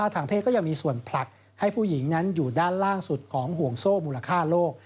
ทางเพศก็ยังมีส่วนผลักให้ผู้หญิงนั้นอยู่ด้านล่างสุดของห่วงโซ่มูลค่าโลก